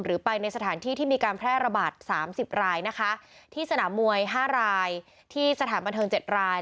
ไปในสถานที่ที่มีการแพร่ระบาด๓๐รายนะคะที่สนามมวย๕รายที่สถานบันเทิง๗ราย